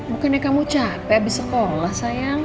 bukannya kamu capek di sekolah sayang